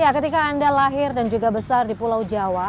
ketika anda lahir dan juga besar di pulau jawa